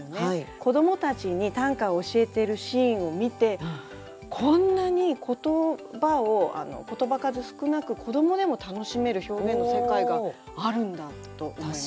子どもたちに短歌を教えてるシーンを見てこんなに言葉を言葉数少なく子どもでも楽しめる表現の世界があるんだと思いました。